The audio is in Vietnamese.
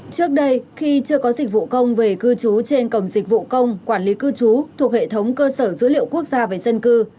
trước đây khi chưa có dịch vụ công về cư trú trên cổng dịch vụ công quản lý cư trú thuộc hệ thống cơ sở dữ liệu quốc gia về dân cư